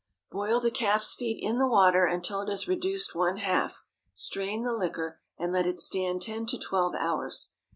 Boil the calf's feet in the water until it is reduced one half; strain the liquor, and let it stand ten or twelve hours.